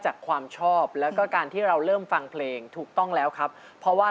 ฮักอายชอบมาจนแย่ส่อยให้เป็นรักแท้สู่เรา